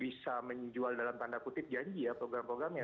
bisa menjual dalam tanda kutip janji ya program programnya